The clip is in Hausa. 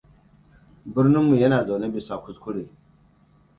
Birnin mu yana zaune bisa kuskure.